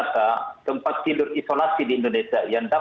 tapin dari pak asam kayu ya xb